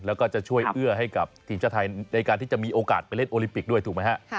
แล้วก็จะช่วยเอื้อให้กับทีมชาติไทยในการที่จะมีโอกาสไปเล่นโอลิปิกด้วยถูกไหมฮะ